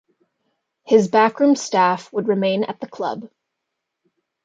His backroom staff would remain at the club.